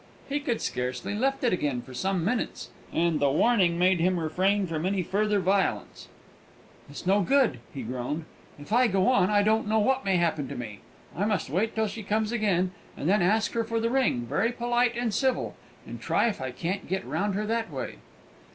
He could scarcely lift it again for some minutes, and the warning made him refrain from any further violence. "It's no good," he groaned. "If I go on, I don't know what may happen to me. I must wait till she comes to, and then ask her for the ring, very polite and civil, and try if I can't get round her that way."